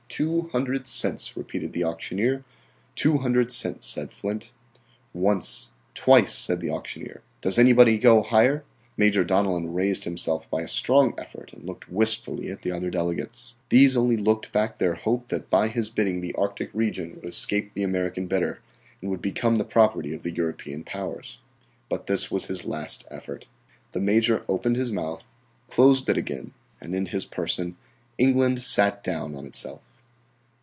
"Two hundred cents," repeated the auctioneer. "Two hundred cents," said Flint. "Once, twice," said the auctioneer. "Does anybody go higher?" Major Donellan raised himself by a strong effort and looked wistfully at the other delegates. These only looked back their hope that by his bidding the Arctic region would escape the American bidder and would become the property of the European powers. But this was his last effort. The Major opened his mouth, closed it again, and in his person England sat down on itself.